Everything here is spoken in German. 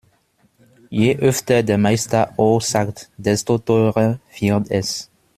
Je öfter der Meister "oh" sagt, desto teurer wird es.